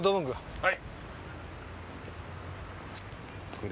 はい。